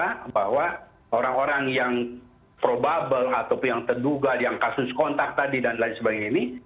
nah tentunya di sini tinggal ada standar yang sangat dijaga bahwa orang orang yang probable ataupun yang terduga yang kasus kontak tadi dan lain sebagainya ini